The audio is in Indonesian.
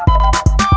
kau mau kemana